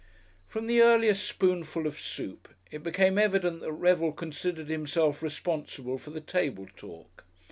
From the earliest spoonful of soup it became evident that Revel considered himself responsible for the table talk.